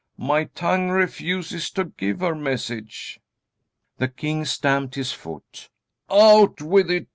My tongue refuses to give her message." The king stamped his foot. "Out with it!"